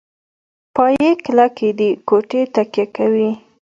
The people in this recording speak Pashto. پایې کلکې دي کوټې تکیه کوي.